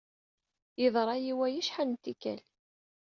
Yeḍra-iyi waya acḥal d tikkelt.